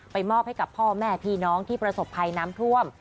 มอบให้กับพ่อแม่พี่น้องที่ประสบภัยน้ำท่วม